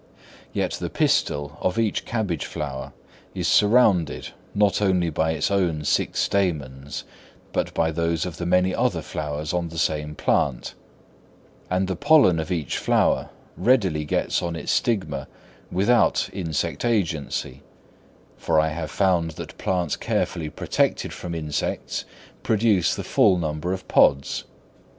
Yet the pistil of each cabbage flower is surrounded not only by its own six stamens but by those of the many other flowers on the same plant; and the pollen of each flower readily gets on its stigma without insect agency; for I have found that plants carefully protected from insects produce the full number of pods.